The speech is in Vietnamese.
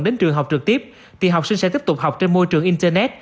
đến trường học trực tiếp thì học sinh sẽ tiếp tục học trên môi trường internet